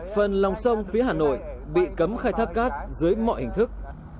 phần lòng sông phía hà nội bị cấm khai thác cát dưới mọi hình thức